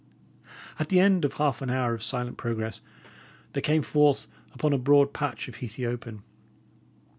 At the end of half an hour of silent progress they came forth upon a broad patch of heathy open.